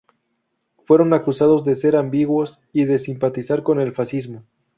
Fueron acusados de ser ambiguos y de simpatizar con el fascismo.